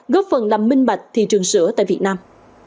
góp phần làm minh bạch thị trường sữa tại việt nam